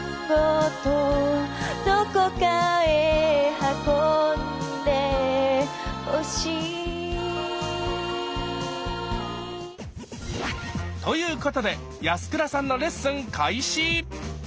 「どこかへ運んでほしい」ということで安倉さんのレッスン開始！